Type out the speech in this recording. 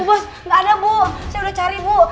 bu bos gak ada bu saya udah cari bu